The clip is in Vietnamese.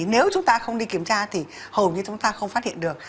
nếu chúng ta không đi kiểm tra thì hầu như chúng ta không phát hiện được